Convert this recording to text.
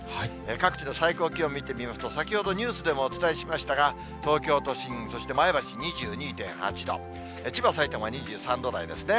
各地の最高気温見てみますと、先ほど、ニュースでもお伝えしましたが、東京都心、そして前橋２２．８度、千葉、さいたま２３度台ですね。